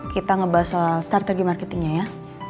kita ngebahas soal strategi marketing nya ya